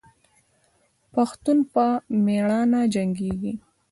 پښتون په میړانه جنګیږي.